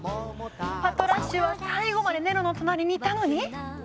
パトラッシュは最後までネロの隣にいたのに？